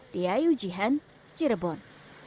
diayu jihan cirebon